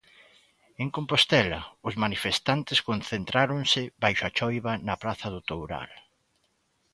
En Compostela, os manifestantes concentráronse baixo a choiva na Praza do Toural.